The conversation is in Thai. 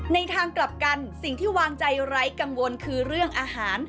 ในทางกลับกันสิ่งที่วางใจไร้กังวลคือเรื่องอาหาร